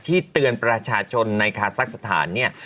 เตือนประชาชนในคาซักสถานเนี่ย